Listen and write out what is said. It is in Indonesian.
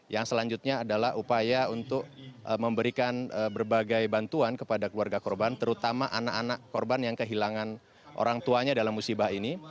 yang selanjutnya adalah upaya untuk memberikan berbagai bantuan kepada keluarga korban terutama anak anak korban yang kehilangan orang tuanya dalam musibah ini